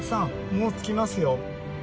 もう着きますよ。